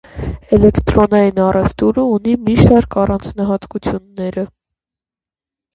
Էլեկտրոնային առևտուրը ունի մի շարք առանձնահատկությունները։